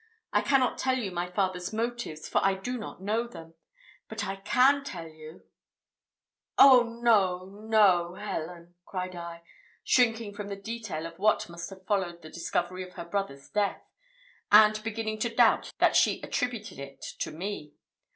I cannot tell you my father's motives, for I do not know them, but I can tell you " "Oh no, no, Ellen!" cried I, shrinking from the detail of what must have followed the discovery of her brother's death, and beginning to doubt that she attributed it to me.